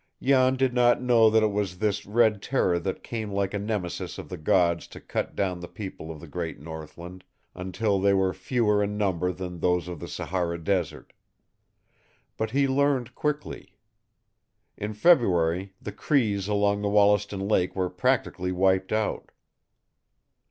Jan did not know that it was this Red Terror that came like a Nemesis of the gods to cut down the people of the great Northland, until they were fewer in number than those of the Sahara desert. But he learned quickly. In February, the Crees along Wollaston Lake were practically wiped out.